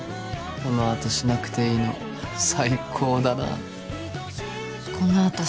このあとしなくていいの最高だね。